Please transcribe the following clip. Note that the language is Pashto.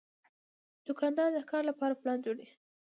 دوکاندار د کار لپاره پلان جوړوي.